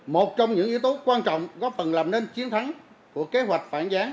một trong những yếu tố quan trọng góp phần làm nên chiến thắng của kế hoạch phản giá